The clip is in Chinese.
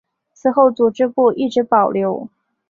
此后组织部一直保留。